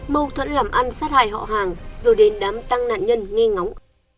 mâu thuẫn làm ăn sát hại họ hàng rồi đến đám tăng nạn nhân nghe ngóng